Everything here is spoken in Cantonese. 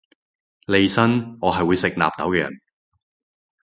利申我係會食納豆嘅人